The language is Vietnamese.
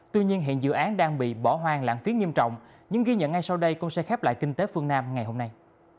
tuy nhiên hiện dự án đang bị bỏ hoang lãng phí nghiêm trọng những ghi nhận ngay sau đây cũng sẽ khép lại kinh tế phương nam ngày hôm nay